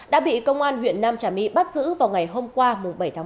đã bị công an huyện nam trà my bắt giữ vào ngày hôm qua bảy tháng một